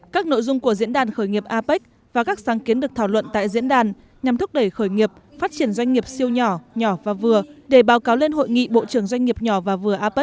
các nội dung của diễn đàn khởi nghiệp apec và các sáng kiến được thảo luận tại diễn đàn nhằm thúc đẩy khởi nghiệp phát triển doanh nghiệp siêu nhỏ nhỏ và vừa để báo cáo lên hội nghị bộ trưởng doanh nghiệp nhỏ và vừa apec